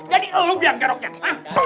jadi lo biar kayak roket